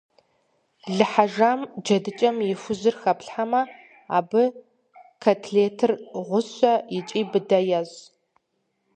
Лы хьэжам джэдыкӀэм и хужьыр хэплъхьэмэ, абы котлетыр гъущэ икӀи быдэ ещӀ.